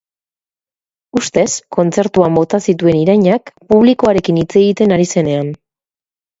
Ustez, kontzertuan bota zituen irainak, publikoarekin hitz egiten ari zenean.